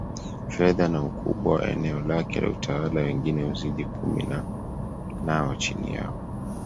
fedha na ukubwa wa eneo lake la utawala wengine huzidi kumi nao chini yao